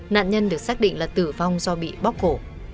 nạn nhân được xác định là tử vong do bị bóc cổ